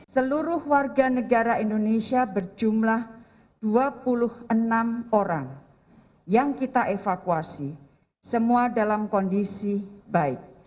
seluruh warga negara indonesia berjumlah dua puluh enam orang yang kita evakuasi semua dalam kondisi baik